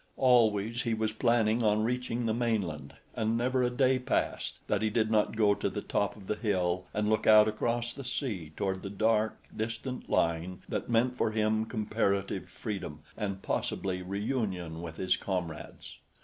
Always he was planning on reaching the mainland, and never a day passed that he did not go to the top of the hill and look out across the sea toward the dark, distant line that meant for him comparative freedom and possibly reunion with his comrades.